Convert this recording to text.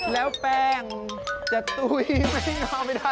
แล้วแป้งจะตุ๊ยไม่นอนไปได้